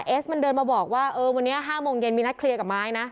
เอสมันเดินมาบอกว่าเออวันนี้๕โมงเย็นมีนัดเคลียร์กับไม้นะ